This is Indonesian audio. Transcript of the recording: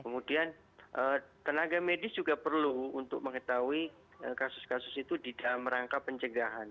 kemudian tenaga medis juga perlu untuk mengetahui kasus kasus itu di dalam rangka pencegahan